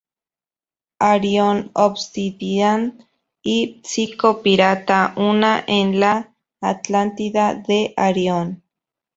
Arion, Obsidian y Psico-Pirata una en la Atlántida de Arión.